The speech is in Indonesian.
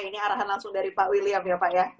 ini arahan langsung dari pak william ya pak ya